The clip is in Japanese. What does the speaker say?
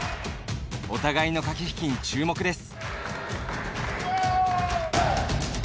お互いの駆け引きに注目です。